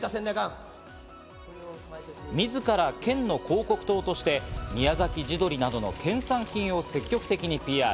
自ら県の広告塔として、宮崎地鶏などの県産品を積極的にＰＲ。